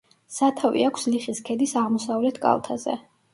სათავე აქვს ლიხის ქედის აღმოსავლეთ კალთაზე.